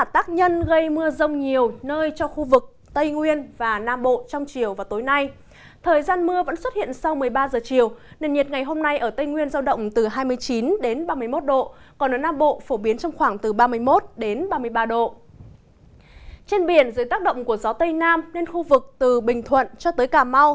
trên biển dưới tác động của gió tây nam nên khu vực từ bình thuận cho tới cà mau